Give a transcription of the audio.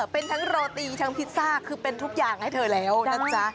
เป็นทั้งโรตีทั้งพิซซ่าคือเป็นทุกอย่างให้เธอแล้วนะจ๊ะ